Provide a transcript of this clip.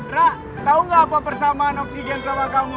ra tau gak apa persamaan oksigen sama kamu